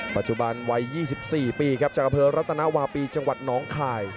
ปัจจุบันวัย๒๔ปีครับจากอำเภอรัตนาวาปีจังหวัดน้องคาย